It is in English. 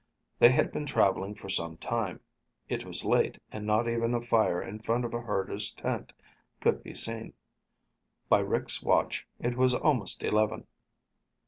They had been traveling for some time. It was late and not even a fire in front of a herder's tent could be seen. By Rick's watch, it was almost eleven.